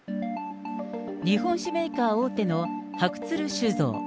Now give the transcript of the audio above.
日本酒メーカー大手の白鶴酒造。